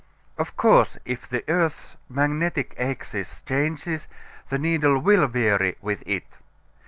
Of course if the earth's magnetic axis changes the needle will vary with it.